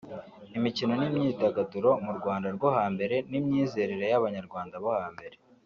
imikino n’imyidagaduro mu Rwanda rwo hambere n’imyizerere y’abanyarwanda bo hambere